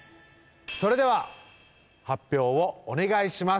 それでは発表をお願いします